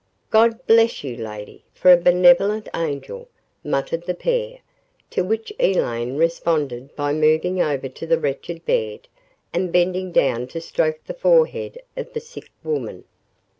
"God bless you, lady, for a benevolent angel!" muttered the pair, to which Elaine responded by moving over to the wretched bed and bending down to stroke the forehead of the sick woman.